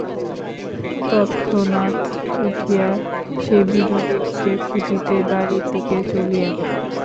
তৎক্ষণাৎ উঠিয়া সে বিনোদিনীকে খুঁজিতে বাড়ির দিকে চলিয়া গেল।